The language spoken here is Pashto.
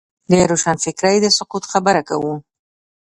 د روښانفکرۍ د سقوط خبره کوو.